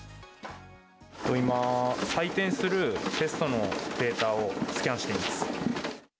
今、採点するテストのデータをスキャンしています。